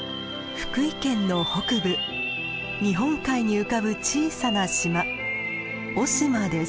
福井県の北部日本海に浮かぶ小さな島雄島です。